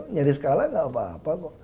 nyaris kalah tidak apa apa